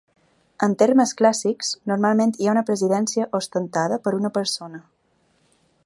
En termes clàssics, normalment hi ha una presidència ostentada per una persona.